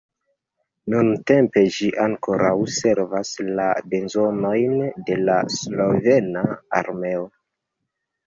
Nuntempe ĝi ankoraŭ servas la bezonojn de la slovena armeo.